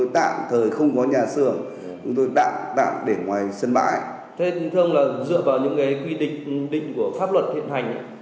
thường là dựa vào những quy định định của pháp luật thiện hành